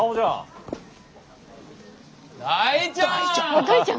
大ちゃん！